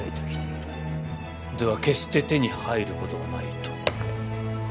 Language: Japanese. では決して手に入ることはないと。